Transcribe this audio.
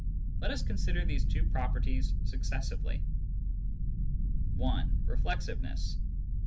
Let us consider these two properties successively. (i) Reflexiveness.